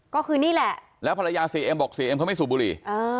ก็คือนี่แหละแล้วภรรยาเสียเอ็มบอกเสียเอ็มเขาไม่สูบบุหรี่